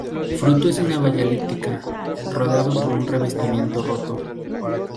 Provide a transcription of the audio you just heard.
Fruto es una baya elíptica, rodeado por un revestimiento roto.